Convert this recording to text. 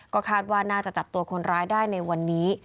ก็คาดว่าน่าจะจับตัวคนร้ายได้ในวันนี้